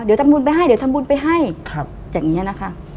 เดี๋ยวทำบุญไปให้เดี๋ยวทำบุญไปให้อย่างนี้นะคะ